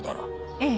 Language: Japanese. ええ。